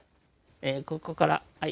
ここからはい。